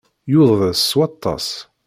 Yudes s waṭas.